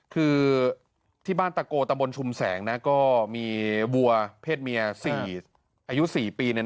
คือที่บ้านตะโกงแต่ชุมแสงน่ะก็มีวัวเพศเมียสี่อายุสี่ปีเนี่ย